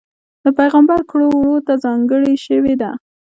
د پېغمبر کړو وړوته ځانګړې شوې ده.